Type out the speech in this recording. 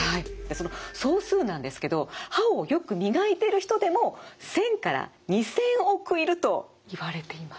その総数なんですけど歯をよく磨いてる人でも１，０００から２，０００億いるといわれています。